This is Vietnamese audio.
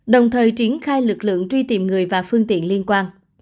đồng thời triển khai lực lượng truy tìm người và phương tiện liên quan